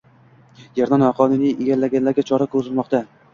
Yerni noqonuniy egallaganlarga chora ko‘rilmoqdang